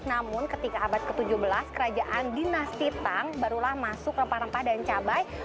namun ketika abad ke tujuh belas kerajaan dinasti tang barulah masuk rempah rempah dan cabai